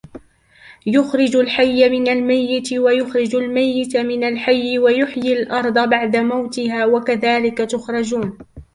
يُخْرِجُ الْحَيَّ مِنَ الْمَيِّتِ وَيُخْرِجُ الْمَيِّتَ مِنَ الْحَيِّ وَيُحْيِي الْأَرْضَ بَعْدَ مَوْتِهَا وَكَذَلِكَ تُخْرَجُونَ